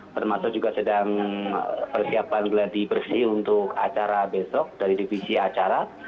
termasuk juga sedang persiapan geladi bersih untuk acara besok dari divisi acara